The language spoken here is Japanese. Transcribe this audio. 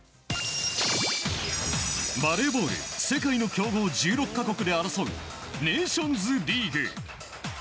バレーボール世界の強豪１６か国で争うネーションズリーグ。